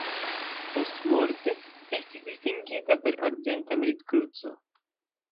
Postmorte estis distingita per Arĝenta Merit-Kruco.